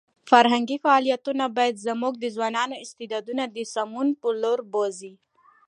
فرهنګي فعالیتونه باید زموږ د ځوانانو استعدادونه د سمون په لور بوځي.